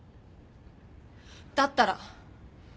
だったら。